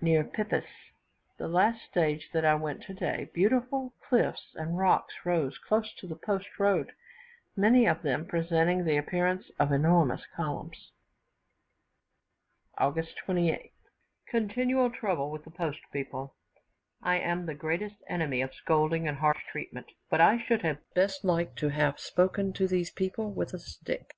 Near Pipis, the last stage that I went today, beautiful cliffs and rocks rose close to the post road, many of them presenting the appearance of enormous columns. August 28th. Continual trouble with the post people. I am the greatest enemy of scolding and harsh treatment; but I should have best liked to have spoken to these people with a stick.